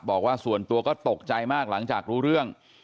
บอกว่าส่วนตัวก็ตกใจมากหลังจากรู้เรื่อง